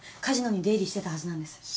カジノに出入りしてたはずなんです。